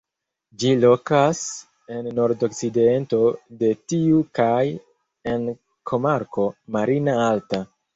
Ĝi lokas en nordokcidento de tiu kaj en komarko "Marina Alta".